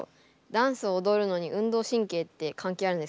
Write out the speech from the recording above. ダンスを踊るのに運動神経って関係あるんですか？